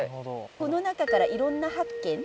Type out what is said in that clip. この中からいろんな発見